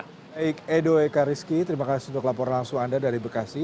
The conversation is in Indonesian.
baik edo ekariski terima kasih untuk laporan langsung anda dari bekasi